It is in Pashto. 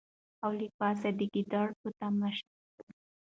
او له پاسه د ګیدړ په تماشې سو